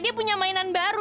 dia punya mainan baru